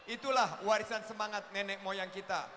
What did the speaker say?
itulah warisan semangat nenek moyang kita